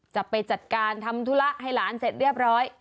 จะไปจัดการทำธุระให้หลานเสร็จเรียบร้อย